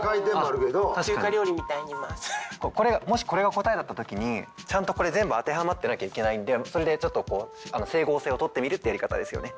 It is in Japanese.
もしこれが答えだった時にちゃんとこれ全部当てはまってなきゃいけないのでそれでちょっと整合性を取ってみるってやり方ですよね。